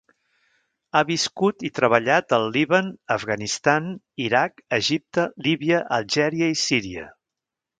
Ha viscut i treballat al Líban, Afganistan, Iraq, Egipte, Líbia, Algèria i Síria.